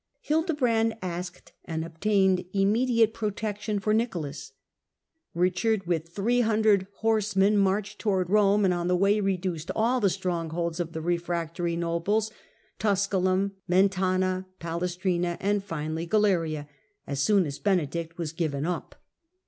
Hildebrand asked and obtained immediate protection for Nicolas. Richard, with 300 horsemen, marched towards Rome, and on the way reduced all the strong holds of the refractory nobles: Tusculum, Mentana, Palestrina, and finally Galeria, as soon as Benedict was given up.